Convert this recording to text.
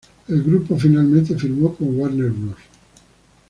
El grupo finalmente firmó con Warner Bros.